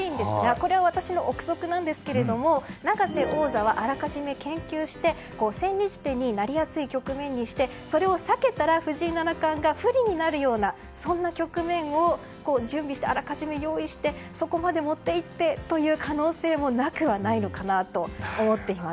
これは私の憶測なんですけども永瀬王座はあらかじめ研究して千日手になりやすい局面にしてそれを避けたら藤井七冠が不利になるようなそんな局面を準備してあらかじめ用意してそこまで持っていってという可能性もなくはないのかなと思っています。